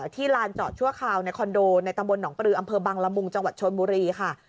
ลานจอดชั่วคราวในคอนโดในตำบลหนองปลืออำเภอบังละมุงจังหวัดชนบุรีค่ะ